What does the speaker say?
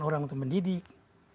orang untuk mendidik